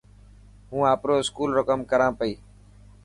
هون آپرو اسڪول رو ڪم ڪران پئي.